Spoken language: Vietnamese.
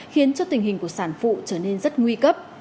khiến cho tình hình của sản phụ trở nên rất nguy cấp